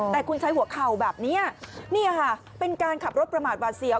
แต่คุณใช้หัวเข่าแบบนี้นี่ค่ะเป็นการขับรถประมาทหวาดเสียว